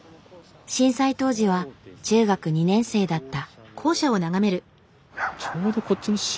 震災当時は中学２年生だった。